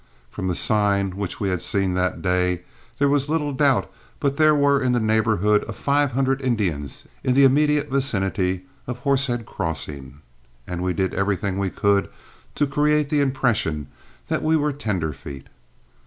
From the sign which we had seen that day, there was little doubt but there were in the neighborhood of five hundred Indians in the immediate vicinity of Horsehead Crossing, and we did everything we could to create the impression that we were tender feet.